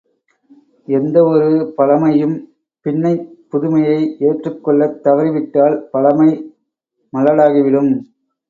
எந்த ஒரு பழைமையும் பின்னைப் புதுமையை ஏற்றுக் கொள்ளத் தவறிவிட்டால் பழைமை மலடாகிவிடும்.